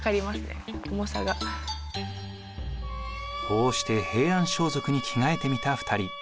こうして平安装束に着替えてみた２人。